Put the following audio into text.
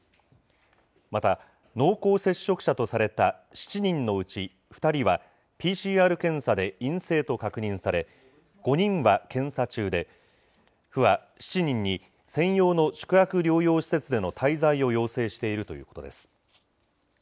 また、濃厚接触者とされた７人のうち２人はＰＣＲ検査で陰性と確認され、５人は検査中で、府は７人に専用の宿泊療養施設での滞在を要請しているということです。